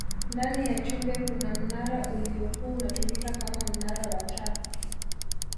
ndani ya chumbe kuna mnara uliyokuwa unatumika Kama mnara wa taa